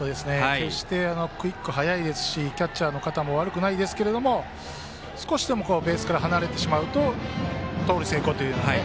決してクイック速いですしキャッチャーの肩も悪くないですが少しでもベースから離れてしまうと盗塁成功というね。